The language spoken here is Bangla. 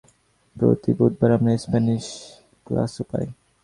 প্রতি বুধবার আমরা স্প্যানিশ ক্লাসও পাই।